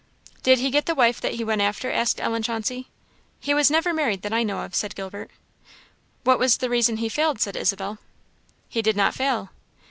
"Did he get the wife that he went after?" asked Ellen Chauncey. "He was never married that I know of," said Gilbert. "What was the reason he failed?" said Isabel. "He did not fail."